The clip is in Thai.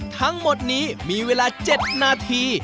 ทั้งหมดนี้มีเวลา๗นาที